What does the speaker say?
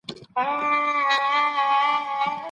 څنګه د مال په مقابل کي سوله کيږي؟